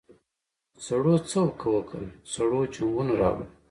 سړو څه وکل سړو جنګونه راوړل.